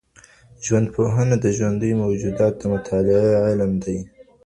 ژوندپوهنه د ژونديو موجوداتو د مطالعې علم دی.